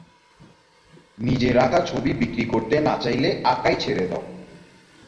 নিজের আঁকা ছবি বিক্রি করতে না চাইলে আঁকাই ছেড়ে দাও।